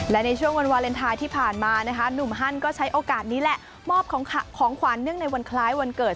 และในช่วงวันวาเลนไทยที่ผ่านมานะคะหนุ่มฮั่นก็ใช้โอกาสนี้แหละมอบของขวัญเนื่องในวันคล้ายวันเกิด